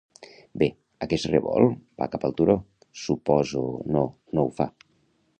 Bé, aquest revolt va cap al turó, suposo... no, no ho fa.